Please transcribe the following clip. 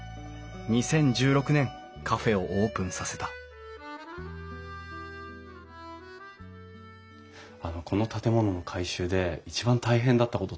２０１６年カフェをオープンさせたこの建物の改修で一番大変だったことって何ですか？